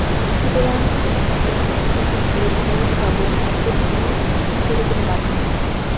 সুতরাং, সন্তানের ভরণপোষণ বিয়ের খরচ বাবদ সম্পত্তি হস্তান্তরে কোনো বাধা নেই।